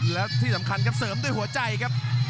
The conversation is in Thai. และที่สำคัญครับเสริมด้วยหัวใจครับ